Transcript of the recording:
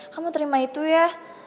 kamu terima itu ya